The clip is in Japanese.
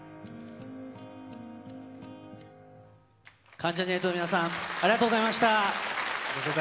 関ジャニ∞の皆さん、ありがとうございました。